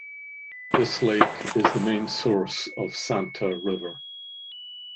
This lake is the main source of Santa River.